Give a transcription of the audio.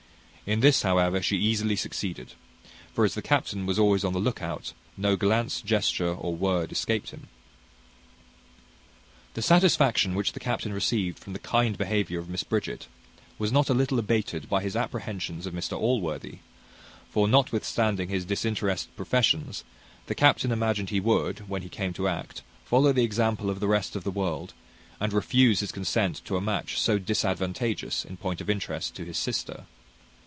In this, however, she easily succeeded; for as the captain was always on the look out, no glance, gesture, or word escaped him. The satisfaction which the captain received from the kind behaviour of Miss Bridget, was not a little abated by his apprehensions of Mr Allworthy; for, notwithstanding his disinterested professions, the captain imagined he would, when he came to act, follow the example of the rest of the world, and refuse his consent to a match so disadvantageous, in point of interest, to his sister.